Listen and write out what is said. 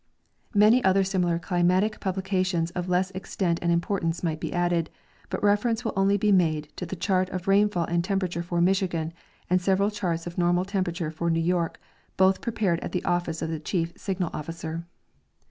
Many other similar climatic publications of less extent and importance might be added ; but reference will only lie made to the chart of rainfall and temperature for IMichigan, and several charts of normal temperature for New York, both prepared at the office of the Chief Signal officer.